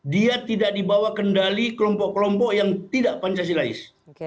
dia tidak dibawa kendali kelompok kelompok yang tidak pancasilais